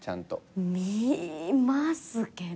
見ますけど。